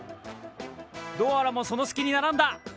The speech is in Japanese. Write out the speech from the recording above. ドアラもその隙に並んだ。